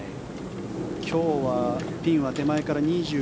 今日はピンは手前から２１。